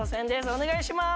お願いします。